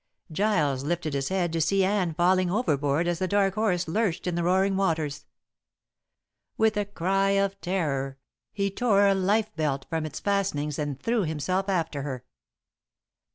Giles lifted his head to see Anne falling overboard as The Dark Horse lurched in the roaring waters. With a cry of terror, he tore a lifebelt from its fastenings and threw himself after her.